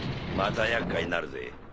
またやっかいになるぜ。